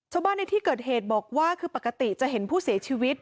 ในที่เกิดเหตุบอกว่าคือปกติจะเห็นผู้เสียชีวิต